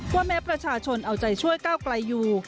แม้ประชาชนเอาใจช่วยก้าวไกลอยู่